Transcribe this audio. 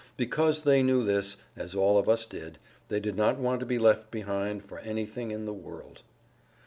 Because they knew this, as all of us did, they did not want to be left behind for anything in the world.